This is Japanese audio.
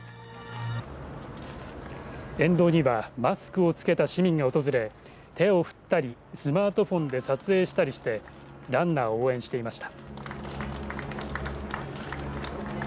沿道にはマスクを着けた市民が訪れ手を振ったりスマートフォンで撮影したりしてランナーを応援していました。